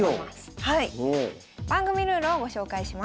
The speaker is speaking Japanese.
番組ルールをご紹介します。